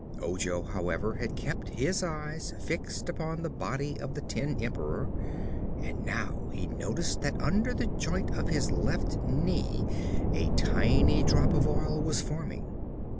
Ojo, however, had kept his eyes fixed upon the body of the tin Emperor, and now he noticed that under the joint of his left knee a tiny drop of oil was forming.